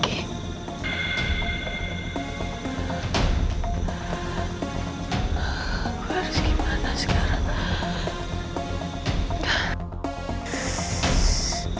gue harus gimana sekarang